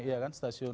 ya kan stasiun